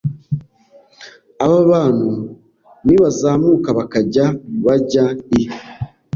Aba bantu nibazamuka bakajya bajya i